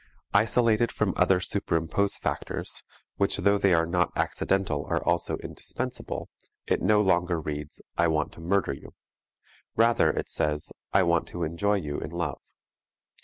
Isolated from other superimposed factors, which though they are not accidental are also indispensable, it no longer reads: "I want to murder you"; rather it says "I want to enjoy you in love."